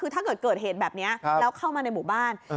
คือถ้าเกิดเกิดเหตุแบบนี้แล้วเข้ามาในหมู่บ้าน